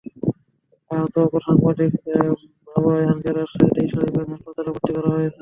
আহত অপর সাংবাদিক আবু রায়হানকে রাজশাহীতে ইসলামী ব্যাংক হাসপাতালে ভর্তি করা হয়েছে।